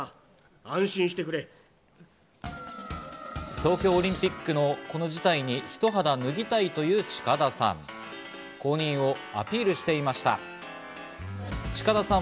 東京オリンピックのこの事態にひと肌脱ぎたいという近田さん。